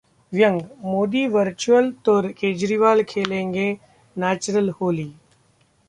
व्यंग्य: मोदी वर्चुअल तो केजरीवाल खेलेंगे नेचुरल होली